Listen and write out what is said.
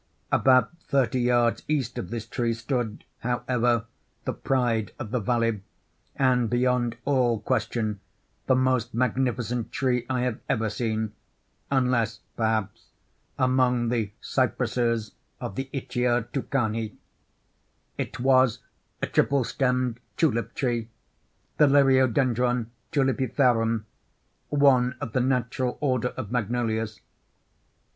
About thirty yards east of this tree stood, however, the pride of the valley, and beyond all question the most magnificent tree I have ever seen, unless, perhaps, among the cypresses of the Itchiatuckanee. It was a triple stemmed tulip tree—the Liriodendron Tulipiferum—one of the natural order of magnolias.